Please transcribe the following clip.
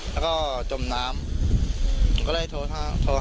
แล้วก็จมน้ำก็เลยโทรหาเจ้าหน้าที่ครับ